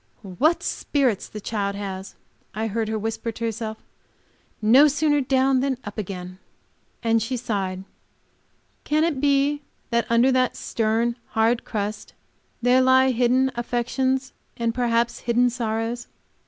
"What spirits the child has!" I heard her whisper to herself; "no sooner down than up again." And she sighed. Can it be that under that stern and hard crust there lie hidden affections and perhaps hidden sorrows?